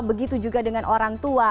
begitu juga dengan orang tua